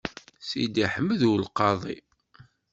Sidi Ḥmed U Lqaḍi.